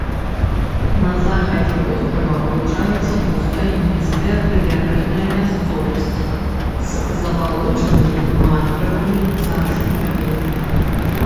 На захадзе вострава вылучаецца вузкая нізкая прыбярэжная мясцовасць з забалочанымі мангравымі зараснікамі.